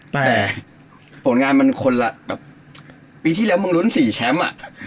แต่ผลงานมันคนละแบบปีที่แล้วมึงรุ้น๔แชมป์อ่ะ